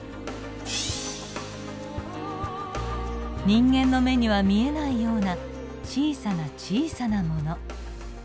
人間の目には見えないような小さな小さなもの。